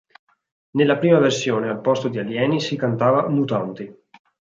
Nella prima versione, al posto di "alieni" si cantava "mutanti".